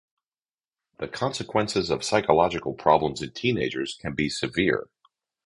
The consequences of psychological problems in teenagers can be severe.